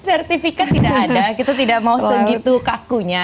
sertifikat tidak ada kita tidak mau segitu kakunya